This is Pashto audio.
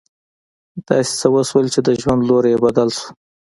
داسې څه وشول چې د ژوند لوری يې بدل شو.